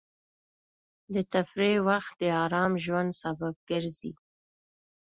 د تفریح وخت د ارام ژوند سبب ګرځي.